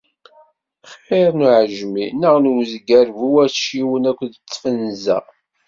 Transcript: Xiṛ n uɛejmi neɣ n uzger bu wacciwen akked tfenza.